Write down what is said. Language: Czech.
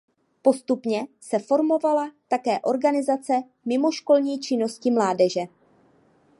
Postupně se formovala také organizace mimoškolní činnosti mládeže.